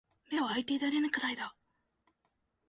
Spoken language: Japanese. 眼を開いていられぬくらいだ